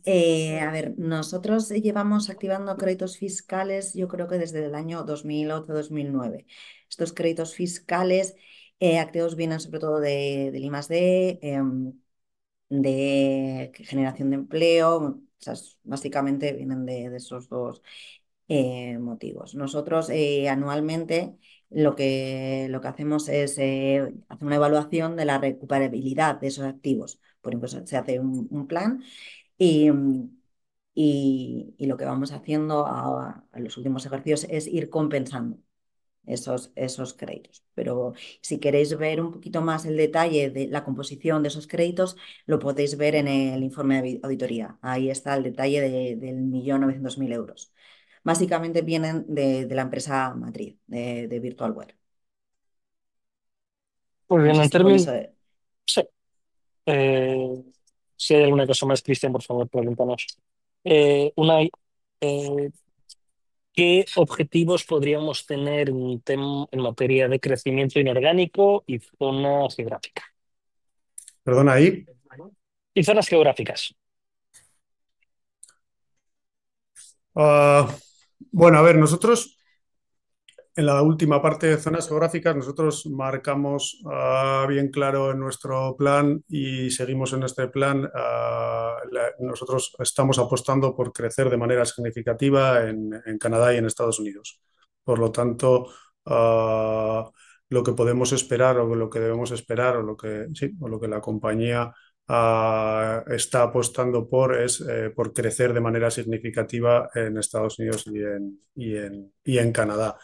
A ver, nosotros llevamos activando créditos fiscales, yo creo que desde el año 2008-2009. Estos créditos fiscales activos vienen sobre todo del I+D, de generación de empleo, o sea, básicamente vienen de esos dos motivos. Nosotros anualmente lo que hacemos es hacer una evaluación de la recuperabilidad de esos activos. Por ejemplo, se hace un plan y lo que vamos haciendo en los últimos ejercicios es ir compensando esos créditos. Pero si queréis ver un poquito más el detalle de la composición de esos créditos, lo podéis ver en el informe de auditoría. Ahí está el detalle de los €1.900.000. Básicamente vienen de la empresa matriz, de Virtualware. Muy bien, en términos. Sí. Si hay alguna cosa más, Cristian, por favor, pregúntanos. Una, ¿qué objetivos podríamos tener en materia de crecimiento inorgánico y zona geográfica? ¿Y zonas geográficas? Bueno, a ver, nosotros en la última parte de zonas geográficas, nosotros marcamos bien claro en nuestro plan y seguimos en este plan. Nosotros estamos apostando por crecer de manera significativa en Canadá y en Estados Unidos. Por lo tanto, lo que podemos esperar o lo que debemos esperar o lo que la compañía está apostando por es por crecer de manera significativa en Estados Unidos y en Canadá.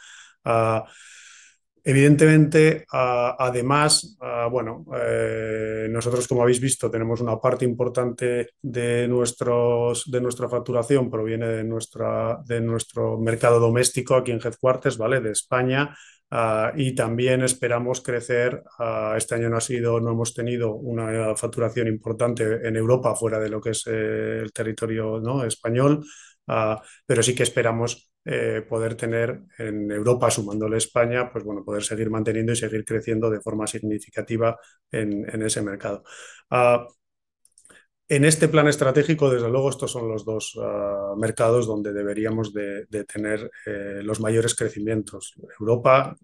Evidentemente, además, nosotros, como habéis visto, tenemos una parte importante de nuestra facturación, proviene de nuestro mercado doméstico aquí en Headquarters, de España, y también esperamos crecer. Este año no hemos tenido una facturación importante en Europa, fuera de lo que es el territorio español, pero sí que esperamos poder tener en Europa, sumándole a España, poder seguir manteniendo y seguir creciendo de forma significativa en ese mercado. En este plan estratégico, desde luego, estos son los dos mercados donde deberíamos de tener los mayores crecimientos: Europa,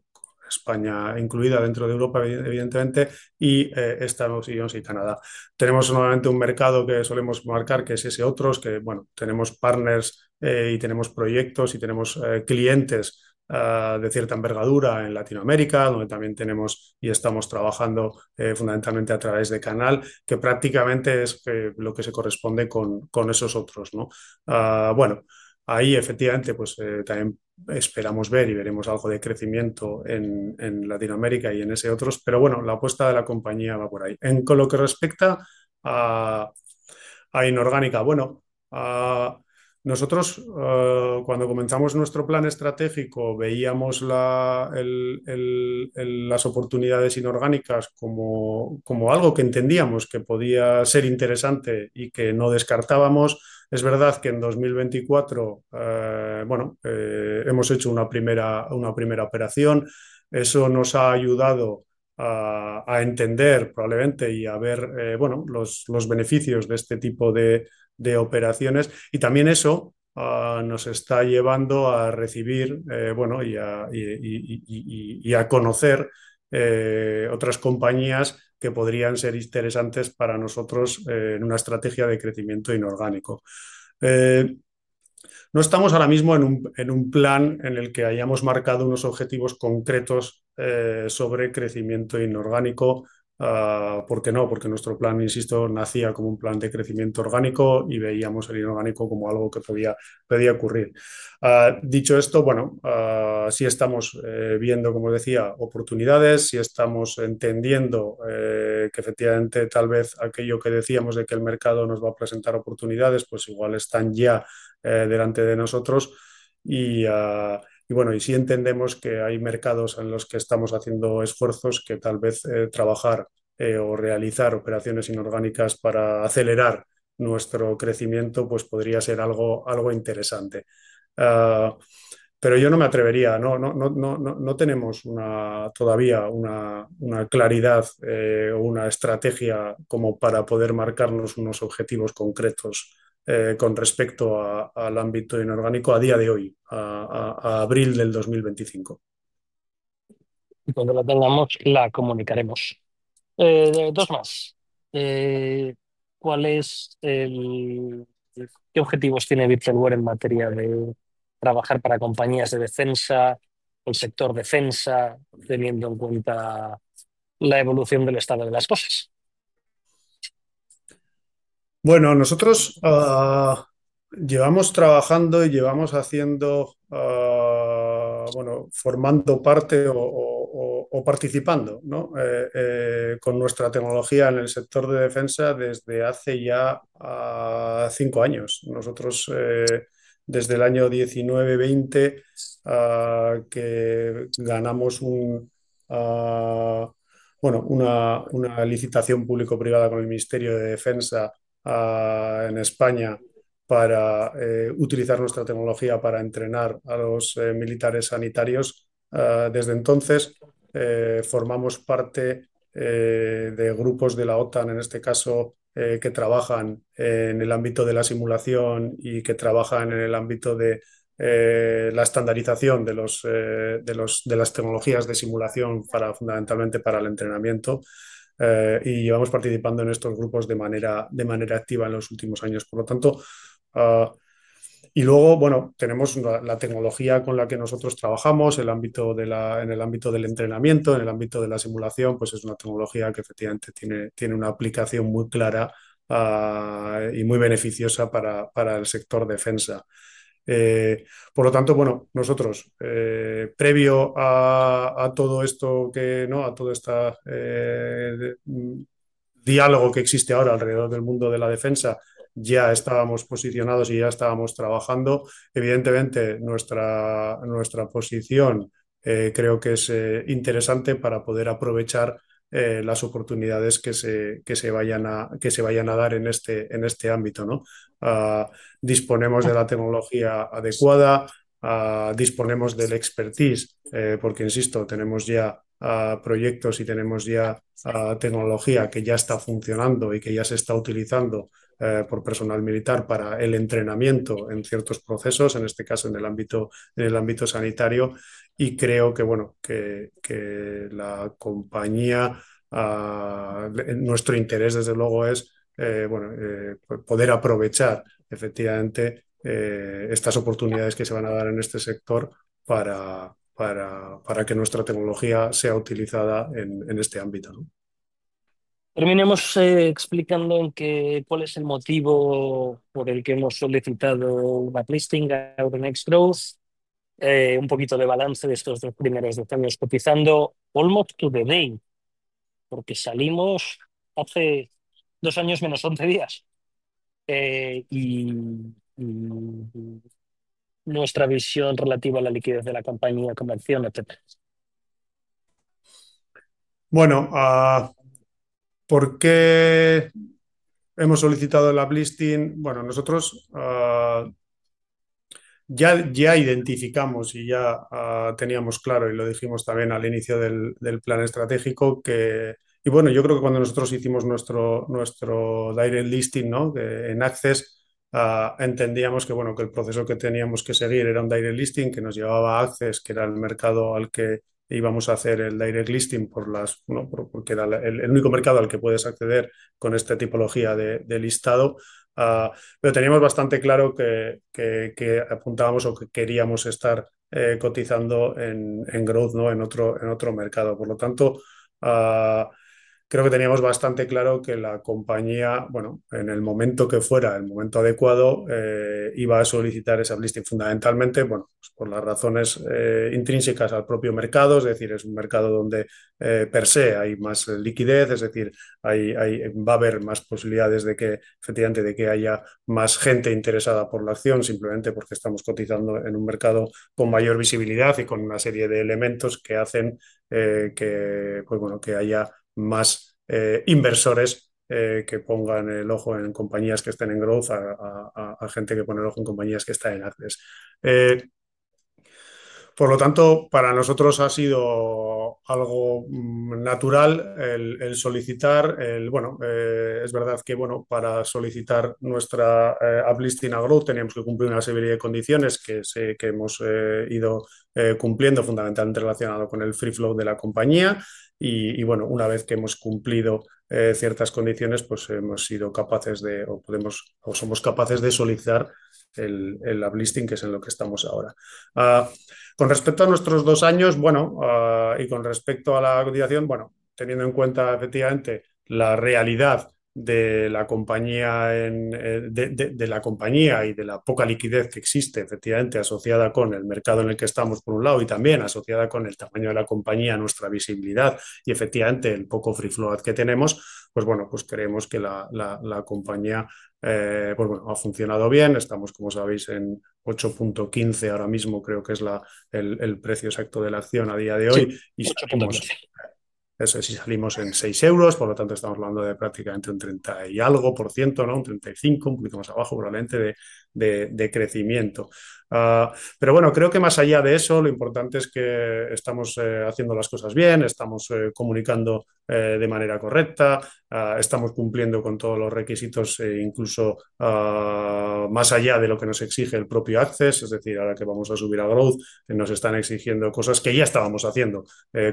España incluida dentro de Europa, evidentemente, y Estados Unidos y Canadá. Tenemos nuevamente un mercado que solemos marcar, que es ese otros, que tenemos partners y tenemos proyectos y tenemos clientes de cierta envergadura en Latinoamérica, donde también tenemos y estamos trabajando fundamentalmente a través de canal, que prácticamente es lo que se corresponde con esos otros. Efectivamente también esperamos ver y veremos algo de crecimiento en Latinoamérica y en ese otros, pero la apuesta de la compañía va por ahí. En lo que respecta a inorgánica, nosotros cuando comenzamos nuestro plan estratégico veíamos las oportunidades inorgánicas como algo que entendíamos que podía ser interesante y que no descartábamos. Es verdad que en 2024 hemos hecho una primera operación, eso nos ha ayudado a entender probablemente y a ver los beneficios de este tipo de operaciones, y también eso nos está llevando a recibir y a conocer otras compañías que podrían ser interesantes para nosotros en una estrategia de crecimiento inorgánico. No estamos ahora mismo en un plan en el que hayamos marcado unos objetivos concretos sobre crecimiento inorgánico, ¿por qué no? Porque nuestro plan, insisto, nacía como un plan de crecimiento orgánico y veíamos el inorgánico como algo que podía ocurrir. Dicho esto, sí estamos viendo, como decía, oportunidades, sí estamos entendiendo que efectivamente tal vez aquello que decíamos de que el mercado nos va a presentar oportunidades, igual están ya delante de nosotros. Y si entendemos que hay mercados en los que estamos haciendo esfuerzos, que tal vez trabajar o realizar operaciones inorgánicas para acelerar nuestro crecimiento podría ser algo interesante. Pero yo no me atrevería, no tenemos todavía una claridad o una estrategia como para poder marcarnos unos objetivos concretos con respecto al ámbito inorgánico a día de hoy, a abril del 2025. Cuando la tengamos, la comunicaremos. Dos más. ¿Cuáles son los objetivos que tiene Virtualware en materia de trabajar para compañías de defensa, el sector defensa, teniendo en cuenta la evolución del estado de las cosas? Bueno, nosotros llevamos trabajando y llevamos haciendo, formando parte o participando con nuestra tecnología en el sector de defensa desde hace ya cinco años. Nosotros, desde el año 2019-2020, que ganamos una licitación público-privada con el Ministerio de Defensa en España para utilizar nuestra tecnología para entrenar a los militares sanitarios. Desde entonces, formamos parte de grupos de la OTAN, en este caso, que trabajan en el ámbito de la simulación y que trabajan en el ámbito de la estandarización de las tecnologías de simulación, fundamentalmente para el entrenamiento, y llevamos participando en estos grupos de manera activa en los últimos años. Por lo tanto, y luego tenemos la tecnología con la que nosotros trabajamos en el ámbito del entrenamiento, en el ámbito de la simulación, es una tecnología que efectivamente tiene una aplicación muy clara y muy beneficiosa para el sector defensa. Por lo tanto, nosotros, previo a todo esto, a todo este diálogo que existe ahora alrededor del mundo de la defensa, ya estábamos posicionados y ya estábamos trabajando. Evidentemente, nuestra posición creo que es interesante para poder aprovechar las oportunidades que se vayan a dar en este ámbito. Disponemos de la tecnología adecuada, disponemos del expertise, porque insisto, tenemos ya proyectos y tenemos ya tecnología que ya está funcionando y que ya se está utilizando por personal militar para el entrenamiento en ciertos procesos, en este caso en el ámbito sanitario, y creo que la compañía, nuestro interés, desde luego, es poder aprovechar efectivamente estas oportunidades que se van a dar en este sector para que nuestra tecnología sea utilizada en este ámbito. Terminemos explicando cuál es el motivo por el que hemos solicitado una listing a OpenX Growth, un poquito de balance de estos dos primeros diez años, cotizando almost to the day, porque salimos hace dos años menos 11 días, y nuestra visión relativa a la liquidez de la compañía como acción, etcétera. Bueno, ¿por qué hemos solicitado la listing? Nosotros ya identificamos y ya teníamos claro, y lo dijimos también al inicio del plan estratégico, que cuando nosotros hicimos nuestro direct listing en Access, entendíamos que el proceso que teníamos que seguir era un direct listing que nos llevaba a Access, que era el mercado al que íbamos a hacer el direct listing, porque era el único mercado al que puedes acceder con esta tipología de listado. Pero teníamos bastante claro que apuntábamos o que queríamos estar cotizando en Growth, en otro mercado. Por lo tanto, creo que teníamos bastante claro que la compañía, en el momento que fuera el momento adecuado, iba a solicitar esa listing, fundamentalmente por las razones intrínsecas al propio mercado. Es decir, es un mercado donde per se hay más liquidez, es decir, va a haber más posibilidades de que efectivamente haya más gente interesada por la acción, simplemente porque estamos cotizando en un mercado con mayor visibilidad y con una serie de elementos que hacen que haya más inversores que pongan el ojo en compañías que estén en Growth, a gente que pone el ojo en compañías que están en Access. Por lo tanto, para nosotros ha sido algo natural el solicitar. Es verdad que para solicitar nuestra uplisting a Growth teníamos que cumplir una serie de condiciones que hemos ido cumpliendo, fundamentalmente relacionado con el free flow de la compañía, y una vez que hemos cumplido ciertas condiciones, hemos sido capaces de, o somos capaces de solicitar el uplisting, que es en lo que estamos ahora. Con respecto a nuestros dos años y con respecto a la cotización, teniendo en cuenta efectivamente la realidad de la compañía y de la poca liquidez que existe, efectivamente asociada con el mercado en el que estamos, por un lado, y también asociada con el tamaño de la compañía, nuestra visibilidad y efectivamente el poco free flow que tenemos, creemos que la compañía ha funcionado bien. Estamos, como sabéis, en €8.15 ahora mismo, creo que es el precio exacto de la acción a día de hoy. €8.15. Eso es, y salimos en €6, por lo tanto estamos hablando de prácticamente un 30 y algo por ciento, un 35%, un poquito más abajo, probablemente de crecimiento. Pero creo que más allá de eso, lo importante es que estamos haciendo las cosas bien, estamos comunicando de manera correcta, estamos cumpliendo con todos los requisitos, incluso más allá de lo que nos exige el propio Access, es decir, ahora que vamos a subir a Growth, nos están exigiendo cosas que ya estábamos haciendo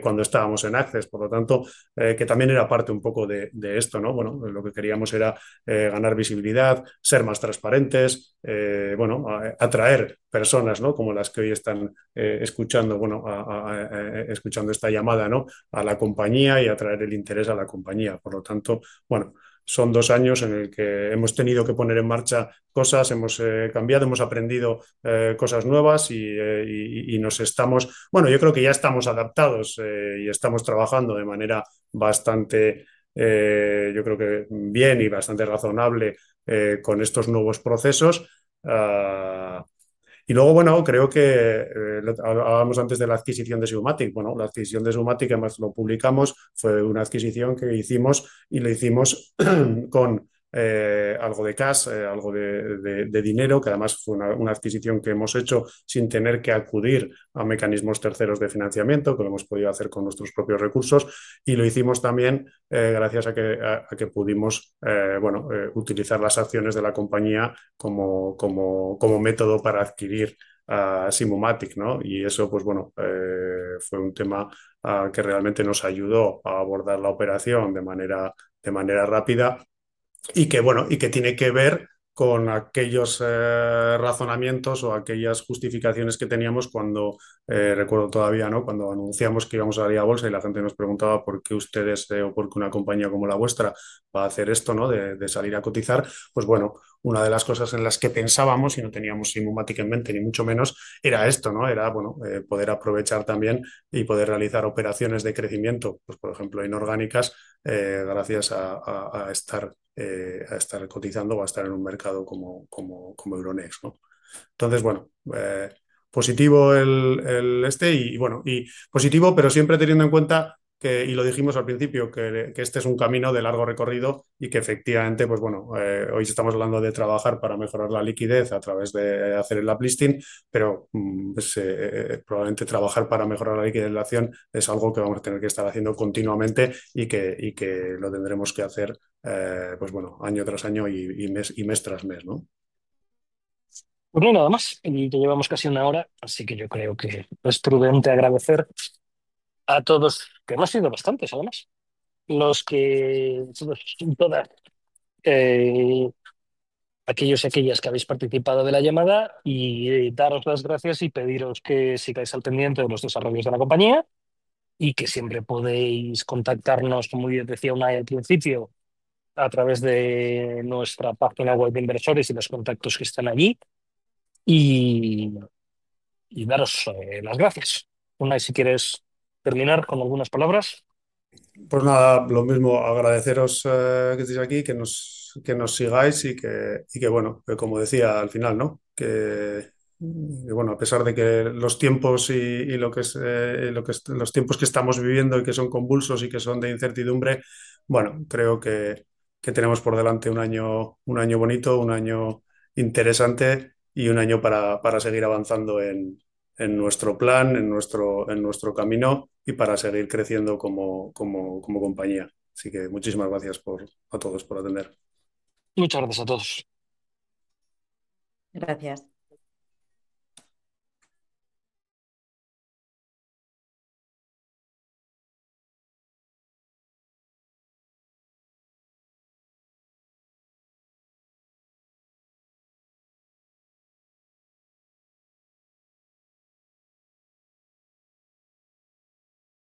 cuando estábamos en Access, por lo tanto, que también era parte un poco de esto. Lo que queríamos era ganar visibilidad, ser más transparentes, atraer personas como las que hoy están escuchando esta llamada a la compañía y atraer el interés a la compañía. Por lo tanto, son dos años en los que hemos tenido que poner en marcha cosas, hemos cambiado, hemos aprendido cosas nuevas y nos estamos, yo creo que ya estamos adaptados y estamos trabajando de manera bastante, yo creo que bien y bastante razonable con estos nuevos procesos. Y luego, creo que hablábamos antes de la adquisición de Sumatic. La adquisición de Sumatic, además lo publicamos, fue una adquisición que hicimos y lo hicimos con algo de efectivo, algo de dinero, que además fue una adquisición que hemos hecho sin tener que acudir a mecanismos terceros de financiamiento, que lo hemos podido hacer con nuestros propios recursos, y lo hicimos también gracias a que pudimos utilizar las acciones de la compañía como método para adquirir Sumatic. Y eso fue un tema que realmente nos ayudó a abordar la operación de manera rápida y que tiene que ver con aquellos razonamientos o aquellas justificaciones que teníamos cuando recuerdo todavía, cuando anunciamos que íbamos a salir a bolsa y la gente nos preguntaba por qué ustedes o por qué una compañía como la vuestra va a hacer esto de salir a cotizar. Una de las cosas en las que pensábamos, y no teníamos Sumatic en mente ni mucho menos, era esto, era poder aprovechar también y poder realizar operaciones de crecimiento, por ejemplo, inorgánicas, gracias a estar cotizando o a estar en un mercado como Euronext. Entonces, positivo este, y positivo, pero siempre teniendo en cuenta, y lo dijimos al principio, que este es un camino de largo recorrido y que efectivamente hoy estamos hablando de trabajar para mejorar la liquidez a través de hacer el uplisting, pero probablemente trabajar para mejorar la liquidez de la acción es algo que vamos a tener que estar haciendo continuamente y que lo tendremos que hacer año tras año y mes tras mes. Bueno, nada más, ya llevamos casi una hora, así que yo creo que es prudente agradecer a todos, que hemos sido bastantes además, los que y todas, aquellos y aquellas que habéis participado de la llamada, y daros las gracias y pediros que sigáis al pendiente de los desarrollos de la compañía, y que siempre podéis contactarnos, como yo decía Unai al principio, a través de nuestra página web de inversores y los contactos que están allí, y daros las gracias. Unai, si quieres terminar con algunas palabras. Pues nada, lo mismo, agradeceros que estéis aquí, que nos sigáis y que, como decía al final, que a pesar de que los tiempos y los tiempos que estamos viviendo y que son convulsos y que son de incertidumbre, creo que tenemos por delante un año bonito, un año interesante y un año para seguir avanzando en nuestro plan, en nuestro camino y para seguir creciendo como compañía. Así que muchísimas gracias a todos por atender. Muchas gracias a todos. Gracias.